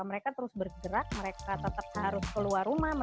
mereka terus bergerak mereka tetap harus keluar rumah